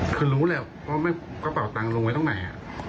คือรู้แหละว่ากระเป๋าตังค์ลุงไว้ตรงไหน